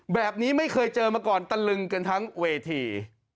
แบบนี้ไม่เคยเจอมาก่อนตะลึงกันทั้งเวที